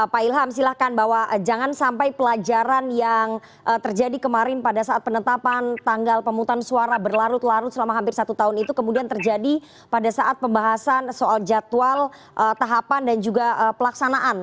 pak ilham silahkan bahwa jangan sampai pelajaran yang terjadi kemarin pada saat penetapan tanggal pemutusan suara berlarut larut selama hampir satu tahun itu kemudian terjadi pada saat pembahasan soal jadwal tahapan dan juga pelaksanaan